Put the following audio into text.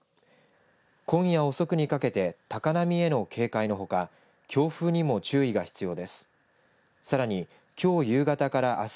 今夜遅くにかけて高波への警戒のほか強風にも注意が必要です。